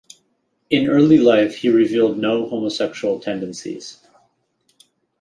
In early life he revealed no homosexual tendencies.